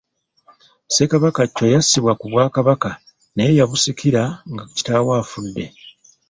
Ssekabaka Chwa yassibwa ku bwakabaka, naye yabusikira nga kitaawe afudde.